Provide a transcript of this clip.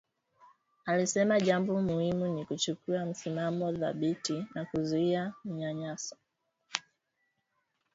Alisema jambo muhimu ni kuchukua msimamo thabiti na kuzuia manyanyaso